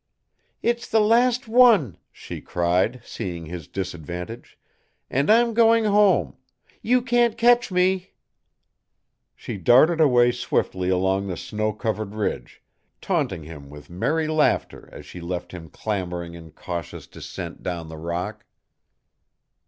"It's the last one," she cried, seeing his disadvantage, "and I'm going home. You can't catch me!" She darted away swiftly along the snow covered ridge, taunting him with merry laughter as she left him clambering in cautious descent down the rock.